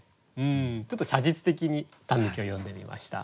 ちょっと写実的に狸を詠んでみました。